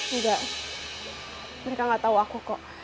enggak mereka gak tau aku kok